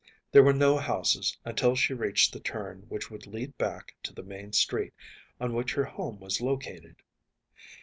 There were no houses until she reached the turn which would lead back to the main street, on which her home was located.